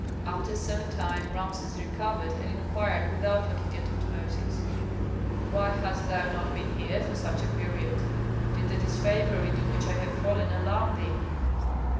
After some time Rameses recovered, and inquired without looking at Tutmosis, "Why hast thou not been here for such a period? Did the disfavor into which I have fallen alarm thee?"